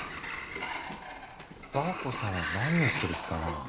ダー子さんは何をする気かな？